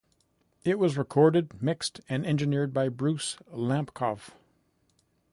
It was recorded, mixed and engineered by Bruce Lampcov.